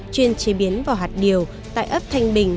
chuyên chế biến vào hạt điều tại ấp thanh bình